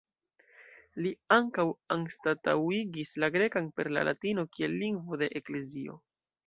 Li ankaŭ anstataŭigis la grekan per la latino kiel lingvo de eklezio.